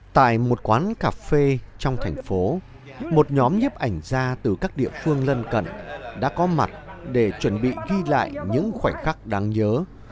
tại một quán cà phê trong thành phố một nhóm nhếp ảnh ra từ các địa phương lân cận đã có mặt để chuẩn bị ghi lại những khoảnh khắc đáng nhớ